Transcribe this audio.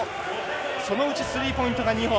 そのうちスリーポイントが２本。